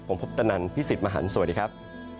ผมพุทธนันพี่สิทธิ์มหันฯสวัสดีครับ